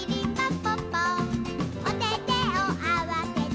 ぽっぽおててをあわせて」